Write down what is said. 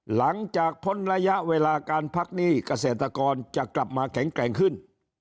หลังจากพ้นระยะเวลาการพักหนี้เกษตรกรจะกลับมาแข็งแกร่งขึ้น